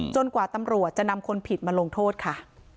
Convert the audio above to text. กว่าตำรวจจะนำคนผิดมาลงโทษค่ะ